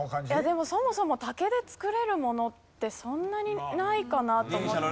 でもそもそも竹で作れるものってそんなにないかなと思って。